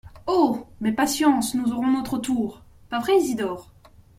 Oh ! mais patience, nous aurons notre tour ! pas vrai Isidore ?